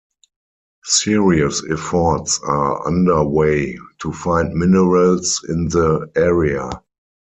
Serious efforts are underway to find minerals in the area.